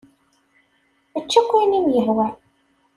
Ečč akk ayen i m-yehwan.